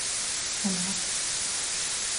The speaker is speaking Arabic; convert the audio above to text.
العكس